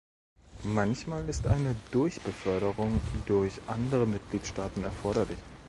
Manchmal ist eine Durchbeförderung durch andere Mitgliedstaaten erforderlich.